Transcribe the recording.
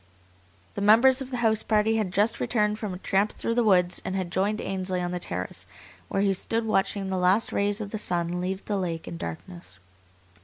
The members of the house party had just returned from a tramp through the woods and had joined Ainsley on the terrace, where he stood watching the last rays of the sun leave the lake in darkness.